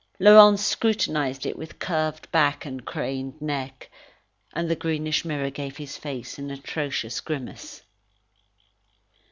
Laurent scrutinised it with curved back and craned neck, and the greenish mirror gave his face an atrocious grimace.